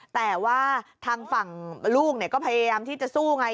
แต่ว่าทางฝั่งลูกก็พยายามที่จะสู้ไง